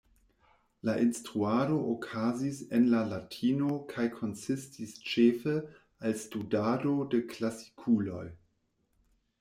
La instruado okazis en la latino kaj konsistis ĉefe el studado de klasikuloj.